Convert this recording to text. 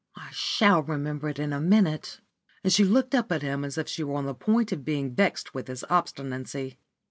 I shall remember it in a minute," and she looked up at him as if she were on the point of being vexed with his obstinacy.